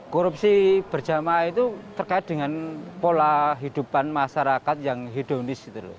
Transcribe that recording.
korupsi berjamaah itu terkait dengan pola hidupan masyarakat yang hedonis